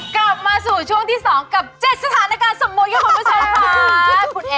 กลับมาสู่ช่วงที่สองกับเจ็ดสถานการณ์สมมุติของประชาญบาลคุณแอร์คุณค่ะ